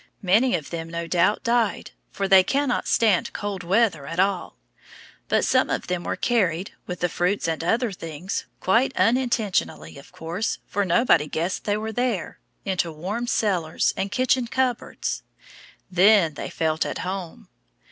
Many of them no doubt died, for they cannot stand cold weather at all; but some of them were carried, with the fruits and other things, quite unintentionally, of course, for nobody guessed they were there, into warm cellars and kitchen cupboards. Then they felt at home!